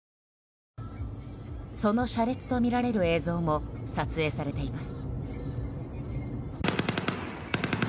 その車列とみられる映像も撮影されています。